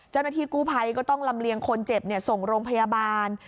เจ้าหน้าที่กู้ภัยก็ต้องลำเลียงคนเจ็บส่งโรงพยาบาล